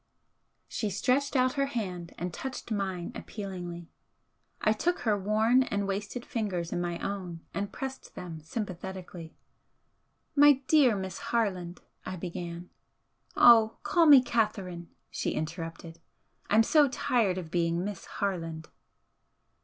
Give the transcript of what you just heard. She stretched out her hand and touched mine appealingly. I took her worn and wasted fingers in my own and pressed them sympathetically. "My dear Miss Harland," I began. "Oh, call me Catherine" she interrupted "I'm so tired of being Miss Harland!"